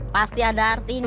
pasti ada artinya itu